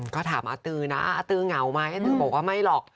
ก็ถามอาตือนะอาตือเหงาไหมอาตือบอกว่าไม่หรอก